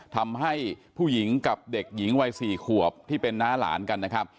ทำให้ผู้หญิงกับเด็กหญิงวัย๔ขวบที่เป็นน้าหลานกันนะครับ